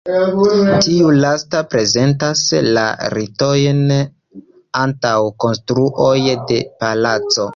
Tiu lasta prezentas la ritojn antaŭ konstruo de palaco.